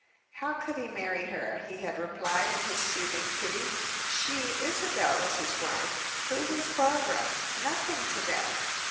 "How could he marry her?" he had replied, in his soothing pity. "She, Isabel, was his wife. Who was Barbara? Nothing to them?"